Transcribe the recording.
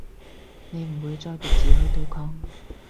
你唔會再獨自去對抗